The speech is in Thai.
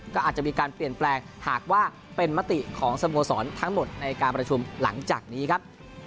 ก็อาจจะมีการเปลี่ยนแปลงหากว่าเป็นมติของสโมสรทั้งหมดในการประชุมหลังจากนี้ครับ